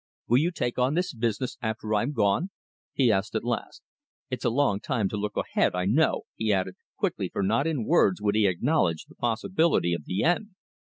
"Will you take on the business after I'm gone?" he asked at last. "It's along time to look ahead, I know," he added quickly, for not in words would he acknowledge the possibility of the end.